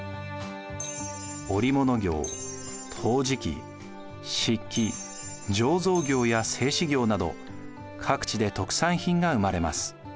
織物業陶磁器漆器醸造業や製紙業など各地で特産品が生まれます。